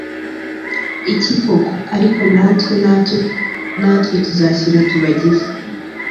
iki koko Ariko ntacyo natwe tuzashyira tubagire